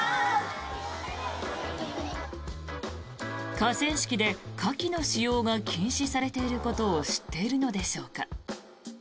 河川敷で火気の使用が禁止されていることを知っているのでしょうか。